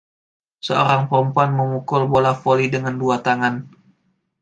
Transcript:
Seorang perempuan memukul bola voli dengan dua tangan.